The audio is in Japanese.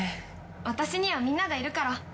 私にはみんながいるから。